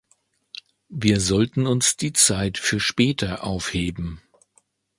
Wir sollten uns die Zeit für später aufheben.